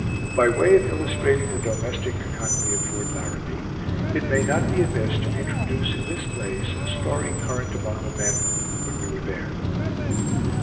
By way of illustrating the domestic economy of Fort Laramie, it may not be amiss to introduce in this place a story current among the men when we were there.